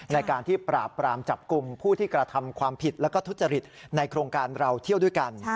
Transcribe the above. ในการที่ปราบปรามจับกลุ่มผู้ที่กระทำความผิดแล้วก็ทุจริตในโครงการเราเที่ยวด้วยกัน